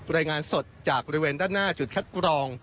รายงานสดจากบริเวณด้านหน้าจุดคัดกรอง